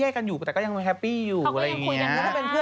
แต่วุ้นดูนึกไม่โค่ยมีผัวด้วยเนอะ